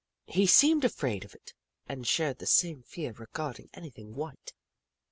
He seemed afraid of it and shared the same fear regarding anything white.